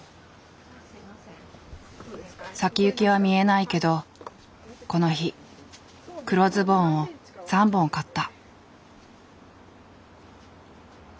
先行きは見えないけどこの日黒ズボンを３本買った。